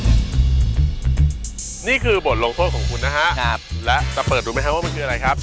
นี่คือบทลงโทษของคุณนะฮะและจะเปิดดูไหมครับว่ามันคืออะไรครับ